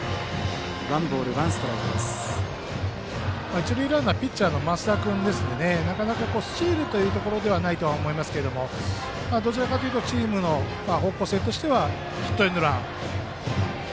一塁ランナーはピッチャーの升田君ですからなかなかスチールというところはないと思いますがどちらかというとチームの方向性としてはヒットエンドラン。